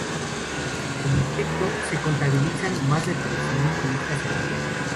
En efecto, se contabilizan más de tres mil turistas al día.